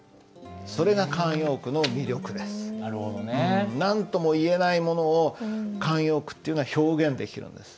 なるほどね。何とも言えないものを慣用句っていうのは表現できるんです。